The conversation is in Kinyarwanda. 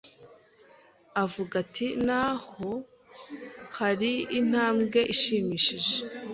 avuga ati: "N'aho hari intambwe ishimishije